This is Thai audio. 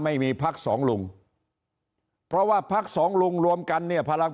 ไม่มีพักสองลุงเพราะว่าพักสองลุงรวมกันเนี่ยพลัง